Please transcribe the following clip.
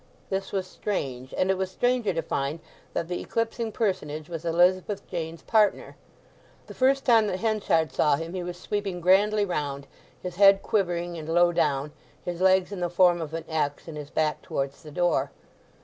This was strange, and it was stranger to find that the eclipsing personage was Elizabeth Jane's partner. The first time that Henchard saw him he was sweeping grandly round, his head quivering and low down, his legs in the form of an X and his back towards the door.